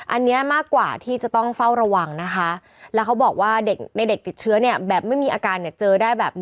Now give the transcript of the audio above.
อันนี้มากกว่าที่จะต้องเฝ้าระวังนะคะแล้วเขาบอกว่าเด็กในเด็กติดเชื้อเนี่ยแบบไม่มีอาการเนี่ยเจอได้แบบ